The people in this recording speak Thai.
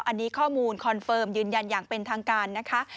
อันนี้ข้อมูลคอนเฟิร์มยืนยันอย่างเป็นทางการนะคะ